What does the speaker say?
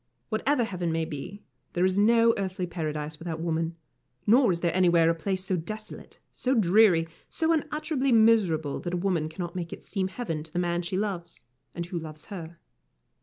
Whatever heaven may be, there is no earthly paradise without woman, nor is there anywhere a place so desolate, so dreary, so unutterably miserable that a woman cannot make it seem heaven to the man she loves, and who loves her.